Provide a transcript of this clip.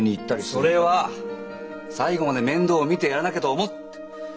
それは最後まで面倒見てやらなきゃと思って。